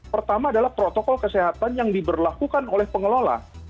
pertama adalah protokol kesehatan yang diberlakukan oleh pengelola